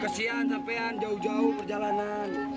kesian sampean jauh jauh perjalanan